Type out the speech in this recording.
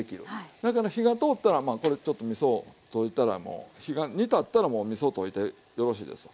だから火が通ったらまあこれちょっとみそを溶いたらもう火が煮立ったらもうみそ溶いてよろしいですわ。